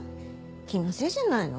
気のせいじゃないの？